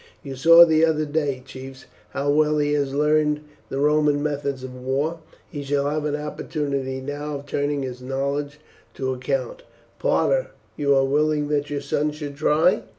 "You saw the other day, chiefs, how well he has learned the Roman methods of war. He shall have an opportunity now of turning his knowledge to account. Parta, you are willing that your son should try?"